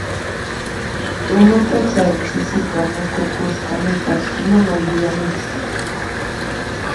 Imatachá ch'isiqa musqhukusqanipas, mana yuyanichu